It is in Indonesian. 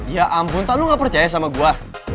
ya ampun lo gak percaya sama gue